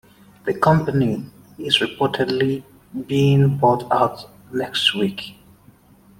The company is reportedly being bought out next week.